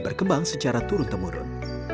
berkembang secara turun temurun